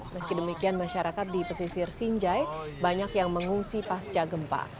meski demikian masyarakat di pesisir sinjai banyak yang mengungsi pasca gempa